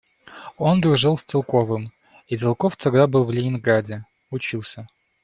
Он дружил с Целковым, и Целков тогда был в Ленинграде, учился.